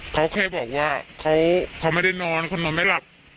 เขาแค่บอกว่าเขาไม่ได้นอนเขานอนไม่หลับ